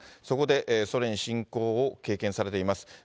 そこでソ連侵攻を経験されています。